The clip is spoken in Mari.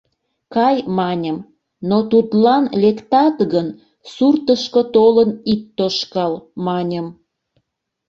Кай, маньым, но тудлан лектат гын, суртышко толын ит тошкал, маньым.